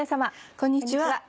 こんにちは。